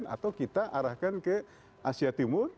atau kita arahkan ke asia timur